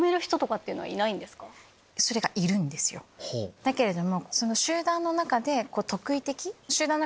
だけれども。